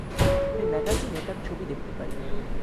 আমি ম্যাগাজিনে তার ছবি দেখতে পাই।